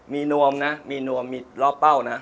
มีนวมนะมีรอบเป้านะ